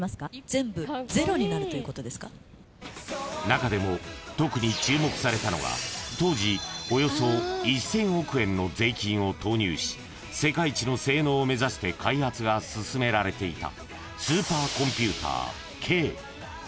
［中でも特に注目されたのが当時およそ１，０００億円の税金を投入し世界一の性能を目指して開発が進められていた］